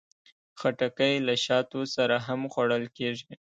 خټکی له شاتو سره هم خوړل کېږي.